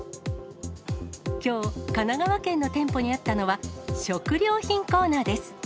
きょう、神奈川県の店舗にあったのは、食料品コーナーです。